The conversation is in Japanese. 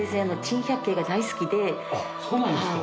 あっそうなんですか。